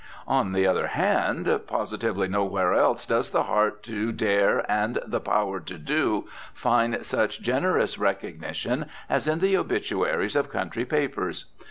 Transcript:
On the other hand, positively nowhere else does the heart to dare and the power to do find such generous recognition as in the obituaries of country papers.